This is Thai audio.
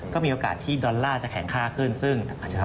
ก็มีโอกาสที่ดอลลาร์จะแข็งค่าขึ้น